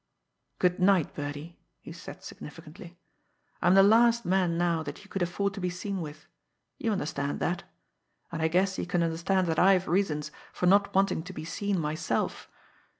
"Good night, Birdie," he said significantly. "I'm the last man now that you could afford to be seen with. You understand that. And I guess you can understand that I've reasons for not wanting to be seen myself.